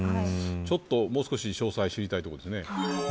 ちょっと、もう少し詳細が知りたいところですね。